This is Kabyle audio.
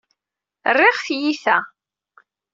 Rriɣ tiyita.